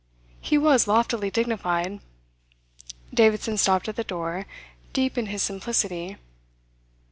He was loftily dignified. Davidson stopped at the door, deep in his simplicity.